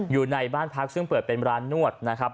อยู่ในบ้านพักซึ่งเปิดเป็นร้านนวดนะครับ